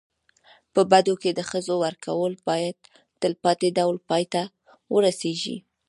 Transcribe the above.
په بدو کي د ښځو ورکول باید تلپاتي ډول پای ته ورسېږي.